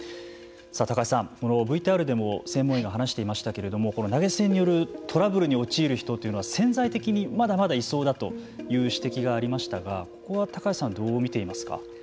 高橋さん、ＶＴＲでも専門医が話していましたけれども投げ銭によるトラブルに陥る人というのは潜在的にまだまだいそうだという指摘がありましたがここは高橋さんはどう見ていますか。